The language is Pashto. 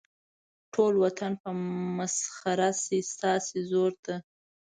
ټول وطن به مسخر شي ستاسې زور ته.